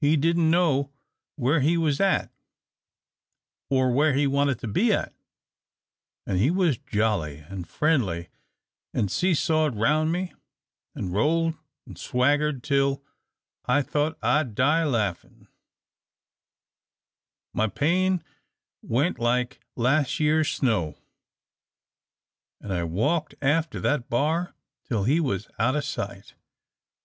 He didn't know where he was at, or where he wanted to be at, an' he was jolly, an' friendly, an' see sawed roun' me, an' rolled an' swaggered till I tho't I'd die laughin'. My pain went like las' year's snow, an' I walked after that b'ar till he was out o' sight.